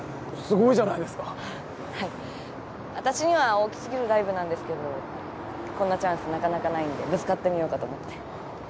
私には大き過ぎるライブなんですけどこんなチャンスなかなかないんでぶつかってみようかと思って。